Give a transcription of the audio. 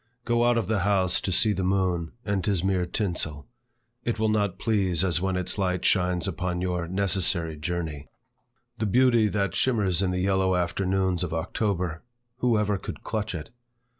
Go out of the house to see the moon, and 't is mere tinsel; it will not please as when its light shines upon your necessary journey. The beauty that shimmers in the yellow afternoons of October, who ever could clutch it?